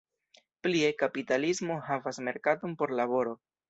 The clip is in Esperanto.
Plie, kapitalismo havas merkaton por laboro.